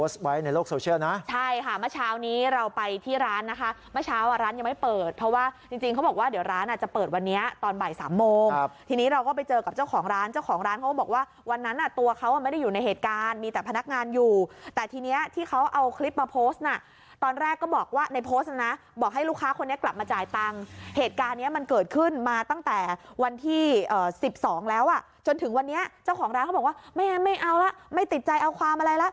ตอนบ่าย๓โมงทีนี้เราก็ไปเจอกับเจ้าของร้านเจ้าของร้านเขาบอกว่าวันนั้นอ่ะตัวเขาไม่ได้อยู่ในเหตุการณ์มีแต่พนักงานอยู่แต่ทีนี้ที่เขาเอาคลิปมาโพสต์นะตอนแรกก็บอกว่าในโพสต์นะบอกให้ลูกค้าคนนี้กลับมาจ่ายตังค์เหตุการณ์นี้มันเกิดขึ้นมาตั้งแต่วันที่๑๒แล้วอ่ะจนถึงวันนี้เจ้าของร้านเขาบอกว่า